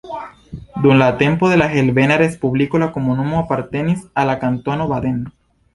Dum la tempo de la Helveta Respubliko la komunumo apartenis al la Kantono Baden.